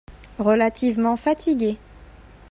Relativement fatigué.